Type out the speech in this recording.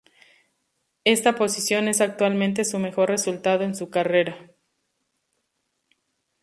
Esta posición es actualmente su mejor resultado en su carrera.